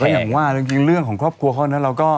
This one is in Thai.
เดี๋ยวก็อย่างว่าเรื่องของครอบครัวข้อนั้นเราก็